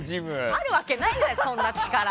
あるわけないじゃん、そんな力。